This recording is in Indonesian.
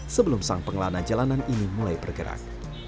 sebelum sang pengelana jalanan ini mulai bergerak